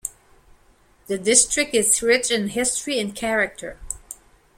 The district is rich in history and character.